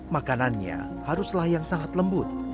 makanannya haruslah yang sangat lembut